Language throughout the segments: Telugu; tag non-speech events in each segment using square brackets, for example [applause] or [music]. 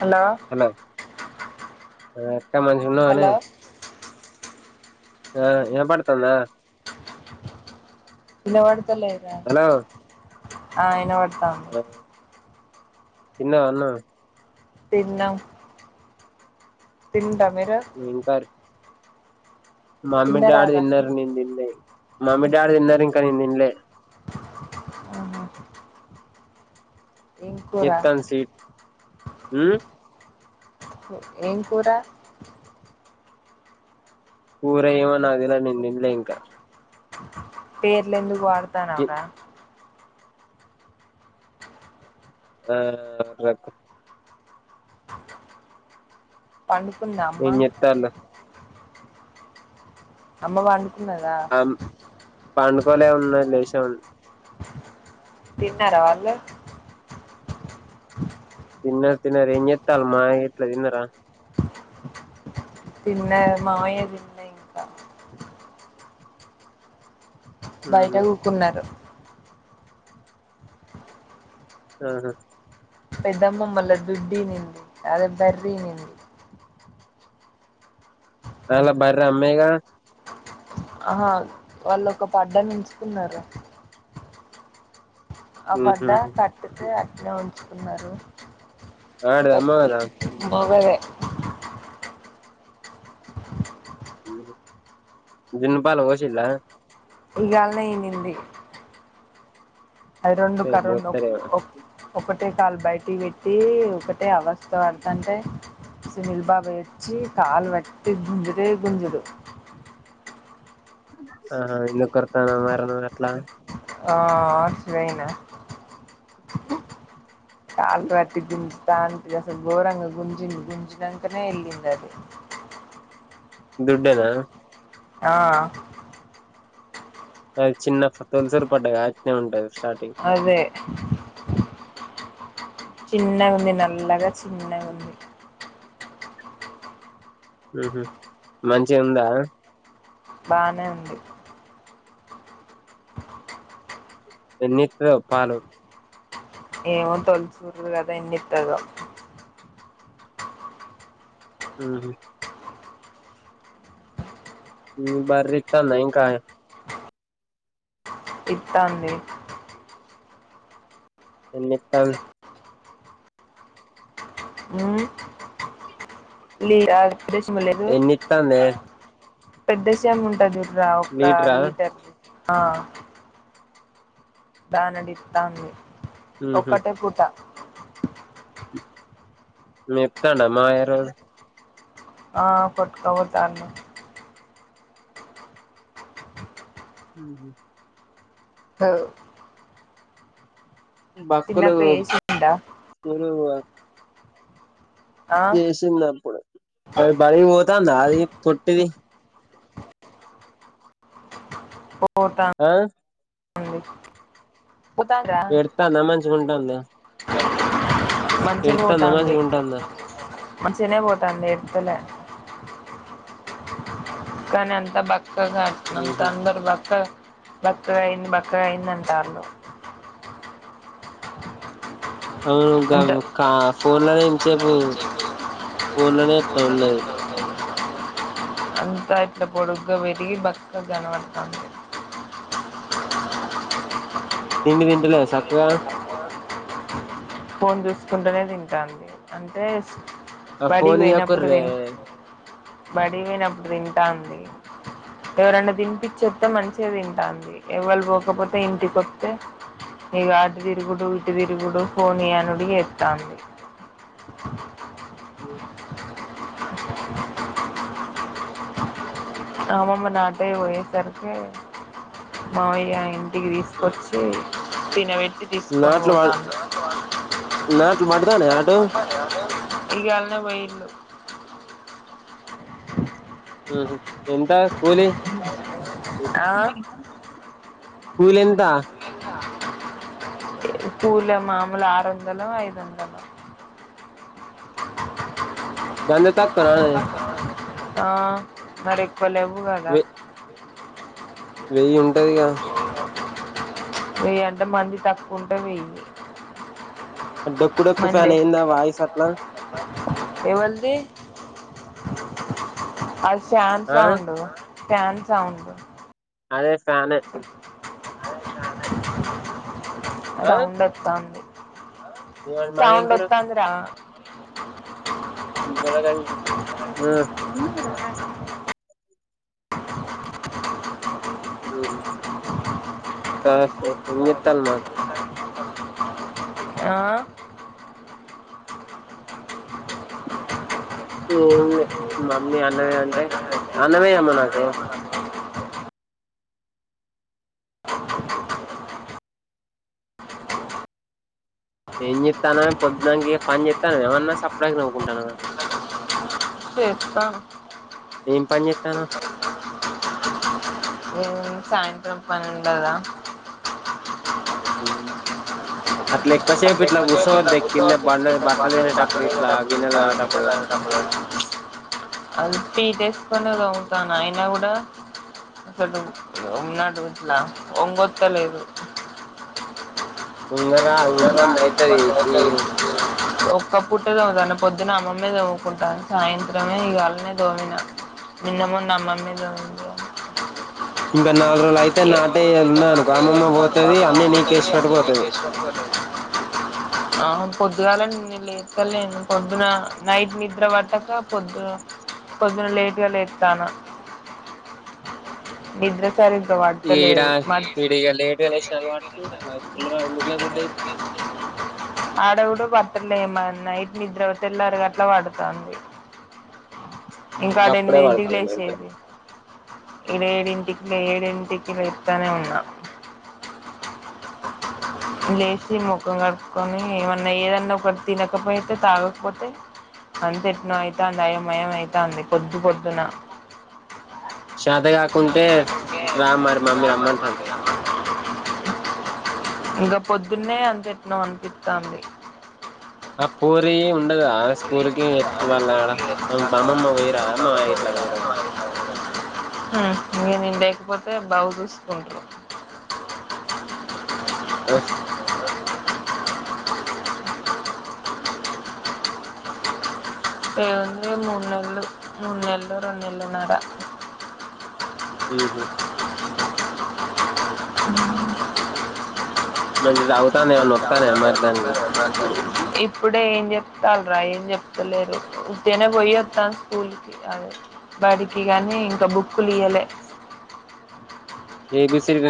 హలో ఆ అక్క మంచిగున్నావనే హలో ఆ ఇనపడతందా ఇనవడతలేదండి హలో ఆ ఇనవడతా తిన్నవ అన్నం తిన్నం తింటమీర మేమ్ కార్ మమ్మీ డాడీ తిన్నరారా తిన్నరు నేను తిన్లే మమ్మీ డాడీ తిన్నరు ఇంకా నేను తిన్లే ఆహా ఏం కూర ఇత్తన్సి మ్ ఏం కూరా కూర ఏమో నాకు తెలద్ నేను దిన్లే ఇంకా పేర్లు ఎందుకు వాడతానవ్రా ఆ రకు పండుకుందా ఏం అమ్మా చెత్తాళ్ళు అమ్మ వన్ అమ్ పండుకోలే ఉన్నది లేచే ఉంది తిన్నరా వాళ్ళే తిన్నర్ తిన్నార్ ఏం చెత్తల్ మాయ ఇట్ల తిన్నార తిన్నరు మావయ్య తిన్లే ఇంకా బయట ఉహు కూకున్నారు ఆహా పెద్దమ్మమ్మళ్ళ దుడ్డి ఈనింది అదే బర్రీ ఈనింది ఆళ్ళ బర్రె అమ్మెగా ఆహా వాళ్ళు ఒక పడ్డాను ఎంచుకున్నారు ఆ వడ్డ ఉహు కట్టితే అట్నే ఉంచుకున్నారు ఆడిది అమ్మవు టర్కి కదా మొగదే జున్నుపాలు పోసిండా ఈయాల్నే ఈనింది అయ్ రెండు కరెండు బోత్తరేమో ఒకటే కాళ్ళు బయటి పెట్టి ఒకటే అవస్థ పడతాంటే సునీల్ బాబాయి వచ్చి కాలు పట్టి గుంజుడే గుంజుడు ఆహా ఎందుకోరుతునవ్ మరి నువ్వట్లా ఆ.. రైనా కాలు పట్టి గుంజుతాండ గోరంగ గుంజి గుంజిన అంతనే ఇల్లింద అది దుడ్డేనా ఆ అది చిన్న తొలసూరు పడ్డ అట్నే ఉంటది స్టార్టింగ్ అదే చిన్నగా ఉంది నల్లగా చిన్నగుంది హ మంచిగుందా బానే ఉంది ఎన్నితాదో పాలు ఏమో తొలు చూరు కదా ఎన్నితదో హహ మీ బర్రి ఇంత్తందా ఇంకా ఇత్తాంది ఎన్ని ఇత్తంది అ ఆ ప్రదేశం లేదు ఎన్ని ఇత్తందే పెద్దశంబుఉంటదిచూడు ఒక్క లీటరా లీటర్ రెండు ఇస్తా ఉంది, ఉహు ఒక్కటే పూట మేపుతండా మామయ్య రోజు ఆ బట్టకపోతన్నారు హలో హ బక్కులు చిన్నక్క వేసిందా స్కూలు ఆ చేసింది అప్పుడు ఆది బడికిపోతుంది అది పొట్టిది ఉ పోతాంది ఆ పోతానురా ఎడుతాందా మంచిగా ఉంటాందా మంచిగా ఎడుతాందా పోతాంది మంచిగా ఉంటాందా మంచిగానే పోతాంది ఏడుస్తాలే పక్కని అంత బక్క అంత ఉహు అందరు బక్క బక్కగాయింది బక్కగాయింది అంటారు అంత అవును ఫోన్ లోనే ఇంసేపు ఫోన్ లోనే ఇస్తా ఉన్నది అంతా ఇట్లా పొడుగ్గా పెరిగి బక్కగా కనపడతాంది తిండి తింటలే సక్కగా ఫోన్ చూసుకుంటేనే తింటాది అంటే ఆ బడికి ఫోన్ పోయినప్పుడు ఇయ్యకుర్రే తి బడికి పోయినప్పుడు తింటాంది ఎవరనా తినిపచ్చ చెప్తే మంచిగా తింటాంది ఎవ్వళ పోకపోతే ఇంటికిస్తతే న అటు తిరుగుడు ఇటు తిరుగుడు పోనియానుడి ఏడుస్తాంది అమమ్మ నాటే వయసఆర్కి మామయయింది ఇంటికి తీసుకొచ్చి తినబెట్టి తీసుకొని నాట్లు ప పోతాను నాట్లు పడతానే అటు ఇయాలనే పోయండు ఆహ ఎంతా కూలి ఆ కులేనంత కులా మాముూలు ఆరు వందల ఐదు వందల గంత తక్కువనా ఆ మరి ఎక్కువ లేవు కదా వె వెయ్యి ఉంటాయిగా వెయ్యి అంటే మంది తక్కువుంటే వెయ్యి డొక్కు డొక్కు ఫ్యాన్ ఏంది ఆ వాయిస్ అట్లా ఎవళ్ళ్ది అది ఫ్యాన్ ఆ సౌండ్ ఫ్యాన్ సౌండ్ అదే ఫ్యానే ఆ సౌండ్ వత్తంది ఇవాళ మాది ఏం సౌండ్ కూర వత్తంది రా ఆ మ్మ్ఉహ్మ్ తర్వాత [unintelligible] ఆ ఏమిలే మమ్మీ అన్నం తినంటే అన్నమే అమ్మ నాకు ఏం చేత్తన్నావే పొద్దానంకా ఇగ పని చేత్తనవా ఏమన్నా సప్డాగ నవుకుంటున్నవా చేత్తను ఏం పని చెత్తన్నవ్ ఏం సాయంత్రం పనుండదా అట్లే అట్లా తసేపు ఇట్లా ఎక్కువ సేపు ఇట్లా కూసోవద్దే కింద కూర్చోవద్దు బండ కింద బట్టలు బట్టలేనట్టా అప్పుడు బట్టలు ఇట్లా వేసేటప్పుడు గిన్నెల ఇట్లా తోమేటప్పుడు గిన్నెలు అది పీట ఏసుకునే తోముతాను అయినా కూడా అతడు నడుము ఇట్లా ఒంగుతా లేదు ముందర ఇబ్బంది అయితది ఉమ్మ్ ఒక్క పుట్టే తోముతన్న పొద్దున అమ్మమ్మే తోముకుంటంది సాయంత్రమే ఇగ అన్నీ తోమినా నిన్న మొన్న అమ్మమ్మే తోమింది ఇవాళ ఇంగా నాలుగు రోజులు అయితే నాటేయ ఉన్నాది అనుకో అమ్మమ్మ పోతది అన్ని నీకే ఇసిపెట్టి పోతది ఆ పొద్దుగాలనే నేను లేత్తలేను పొద్దున నైట్ నిద్ర పట్టక పొద్దు పొద్దున లేట్గా లేత్తన్న నిద్ర సరిగ్గా ఇగ ఈడ పడ్తలేదు మ ఈడ ఇగ లేట్గా లేసినవ్ కాబట్టి ఇంగ నిద్ర ఎందుకులేముందే ఆడవుడు పట్టలేమ నైట్ నిద్ర తెల్లారుగాట్లా పడుతంది ఇంకాడ గప్పుడే ఎనిమిదింటికి పడుతది నిద్ర లేసేది ఇడ ఏడింటికి ఏడింటికి లేత్తనే ఉన్నా లేసి ముఖం కడుపుకొని ఏమన్నా ఏదన్నా ఒకటి తినకపోతే తాగకపోతే అంత ఎట్నో అయితంది అయోమయం అయితంది పొద్దు పొద్దున శతా కాకుంటే రా మరి మమ్మీ రమ్మంటంది ఇంకా పొద్దున్నే అంత ఎట్నో అనిపిత్తంది ఆ పోరి ఉండదా ఆ స్కూల్‌కి వాళ్ళ ఆడ బమ్మమ్మ పొయిరా అమ్మమ్మ ఇట్లా పొయిరా ఉమ్మ్ ఇంగ నేను లేకపోతే బాగు చూసుకుంటారు ఆ ఏముంది మూన్నెలు మూన్నెలు రెనెల్లు నర మ్మ్ఉహ్మ్ మంచిగా తాగుతన్న ఏమన్నా వోస్తాన్నయా మరి దానికి ఇప్పు ఇప్పుడే ఏం చెప్తల్లుర ఏం చెప్తలేరు ఉత్తిగానే పోయి వోత్తన్న స్కూల్ కి అది బడికి గానీ ఇంకా బుక్కులు ఇయ్యలే A B C D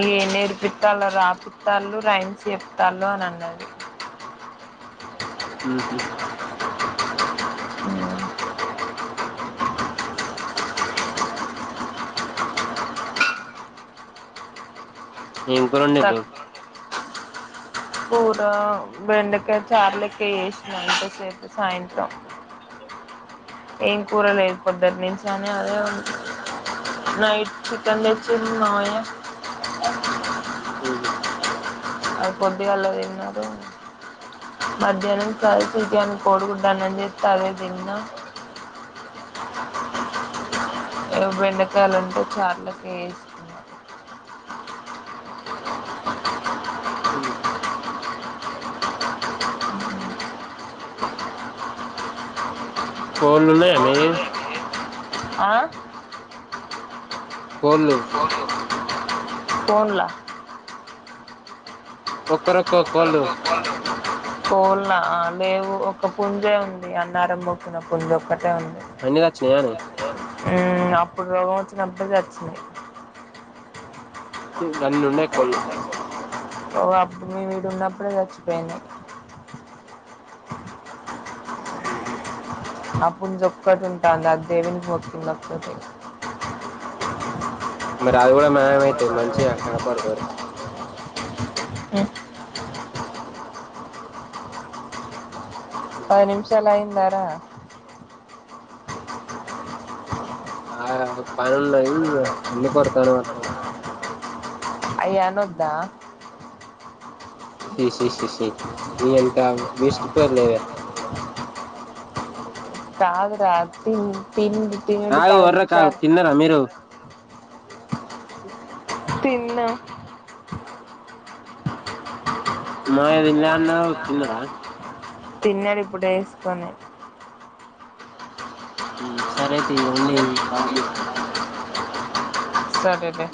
E ఏ నేర్పితాండ్రో రాపి తాండ్రు రైమ్స్ చెప్తాళ్ళు అని అన్నాది. ఉహూ హ్ ఇంకో రెండు నెలలు కూరబెండకాయ చారూ లెక్క చేసినవ అంతసేపు సాయంత్రం ఏం కూరలేదు పొద్దున్నుంచి అని అదే ఉంది నైట్ చికెన్ తెచ్చిండు మామయ్యా ఉహ్ అది పోద్దుగాళ తీన్నాడు. మధ్యాహ్నం ఫ్రై చికెన్ కోడిగుడ్డు అన్నం చేస్త అదే తిన్న బెండకాయలుంటే చారు లెక్క చేసిన ఉహ్ కోళ్ళు ఉన్నాయా మీయి ఆ కోళ్ళు కోళ్ళు ఒక్కరొక్క కోళ్ళు కోళ్ళ లేవు ఒక పుంజే ఉంది అన్నారం మొకిన పుంజే ఒక్కటే ఉంది అన్నీ సచ్చినయానే అప్పుడు రోగం వచ్చినప్పుడు సచ్చినాయి గాన్నీ ఉండేయి కొళ్ళు ఓ అప్పుడు మేము ఈడ ఉన్నప్పుడే చచ్చిపోయినాయి ఉహ్ అప్పుడు నుంచి ఒక్కటి ఉంటంది అది దేవునికి మొక్కింది. మరి అది కూడా మాయా ఐతది మంచిగా కాపాడుకోర్రి హ్ పది ఊహు. నిమిషలు అయిందారా ఆ పని ఉన్నాయి. అన్ని కొరతన్నవు అక్క అయ్య అనోద్దా శి శి శి ని అంత వెస్ట్ పోరీ లేవే కాదురా తిండి తినుడు పది నిమిషాలు నా మీరు ఉ తిన్న మగా తినాలే తిన్నర తిన్నాడు ఇప్పుడు వేసుకొని సరే తి ఇగ ఉండు తర్వాత చెత్త సరే